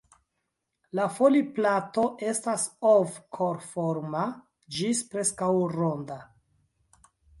La foliplato estas ov-korforma ĝis preskaŭ ronda.